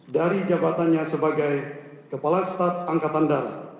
dari jabatannya sebagai kepala staf angkatan darat